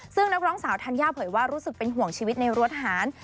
ซึ่งนักร้องสาวธัญญาเผยว่ารู้สึกเป็นห่วงชีวิตในรั้วทหาร